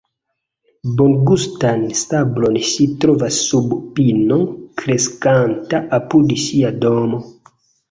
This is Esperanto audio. Bongustan sablon ŝi trovas sub pino kreskanta apud ŝia domo.